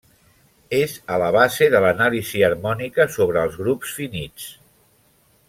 És a la base de l'anàlisi harmònica sobre els grups finits.